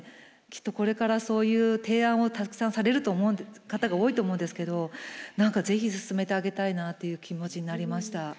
きっとこれからそういう提案をたくさんされる方が多いと思うんですけど是非すすめてあげたいなっていう気持ちになりました。